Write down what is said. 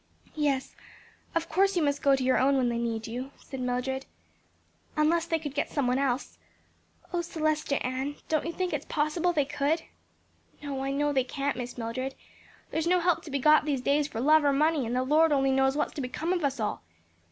"Yes, of course you must go to your own when they need you," said Mildred; "unless they could get some one else. O, Celestia Ann, don't you think it possible they could?" "No; I know they can't, Miss Mildred; there's no help to be got these days for love or money; and the Lord only knows what's to become of us all!